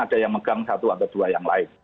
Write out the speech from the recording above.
ada yang megang satu atau dua yang lain